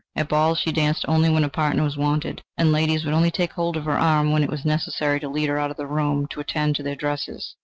At balls she danced only when a partner was wanted, and ladies would only take hold of her arm when it was necessary to lead her out of the room to attend to their dresses.